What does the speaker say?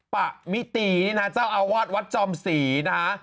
ปะมิตีนี่นะเจ้าอาวาสวัดจอมศรีนะฮะ